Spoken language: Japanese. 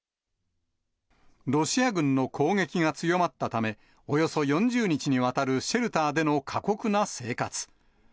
ロシア軍の攻撃が強まったため、およそ４０日にわたるシェルターでの過酷な生活。